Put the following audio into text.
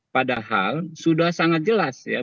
padahal sudah sangat jelas ya